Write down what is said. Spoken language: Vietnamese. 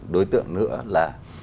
đối tượng nữa là